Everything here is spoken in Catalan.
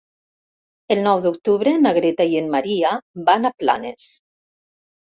El nou d'octubre na Greta i en Maria van a Planes.